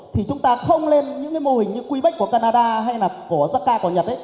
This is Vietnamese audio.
thì chúng ta không lên những mô hình như quy bách của canada hay là của jakarta của nhật